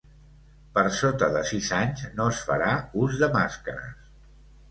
Per sota de sis anys, no es farà ús de màscares.